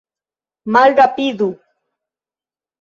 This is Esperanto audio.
Malrapidu!